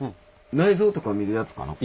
内臓とか見るやつかな？